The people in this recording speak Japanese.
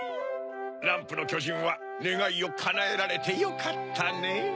ランプのきょじんはねがいをかなえられてよかったねぇ。